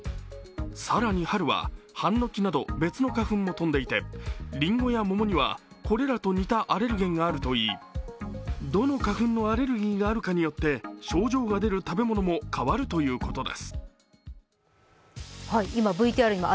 更に春はハンノキなど別の花粉も飛んでいてりんごや桃にはこれらと似たアレルゲンがあるといいどの花粉のアレルギーがあるかによって症状が出る食べ物も変わるということです。